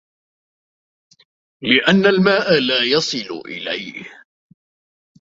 لِأَنَّ الْمَاءَ لَا يَصِلُ إلَيْهِ